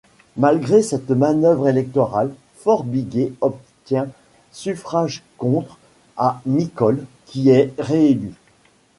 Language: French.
Malgré cette manœuvre électorale, Faure-Biguet obtient suffrages contre à Nicolle, qui est réélu.